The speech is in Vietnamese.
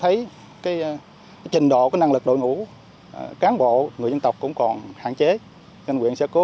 thấy cái trình độ năng lực đội ngũ cán bộ người dân tộc cũng còn hạn chế nên quyện sẽ cố